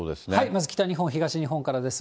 まず北日本、東日本からです。